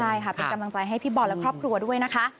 ใช่ค่ะเป็นกำลังใจให้พี่บอลและครอบครัวด้วยนะคะ